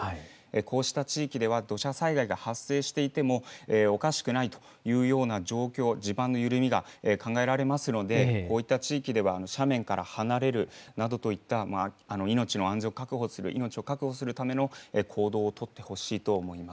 こうした地域では土砂災害が発生していてもおかしくないというような状況、地盤のゆるみが考えられますので、こういった地域では斜面から離れるなどといった命の安全を確保する、命を確保するための行動を取ってほしいと思いま